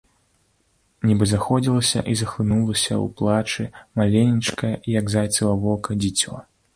Нібы заходзілася і захлынулася ў плачы маленечкае, як зайцава вока, дзіцё.